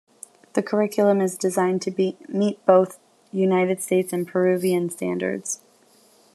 The curriculum is designed to meet both United States and Peruvian standards.